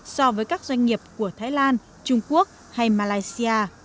so với các doanh nghiệp của thái lan trung quốc hay malaysia